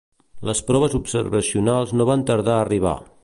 Les proves observacionals no van tardar a arribar.